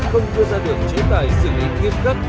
không đưa ra được chế tài xử lý nghiêm khắc